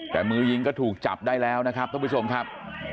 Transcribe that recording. แต่มือยิงก็ถูกจับได้แล้วนะครับท่านผู้ชมครับ